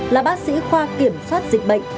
là bác sĩ khoa kiểm soát dịch bệnh